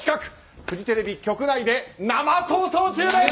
フジテレビ局内で生「逃走中」です！